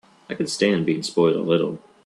I can stand being spoiled a little.